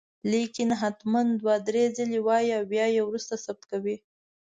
ليکل هتمن دوه دري ځلي وايي او بيا يي وروسته ثبت کوئ